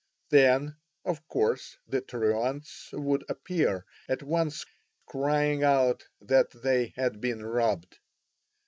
Then of course the truants would appear at once crying out that they had been robbed.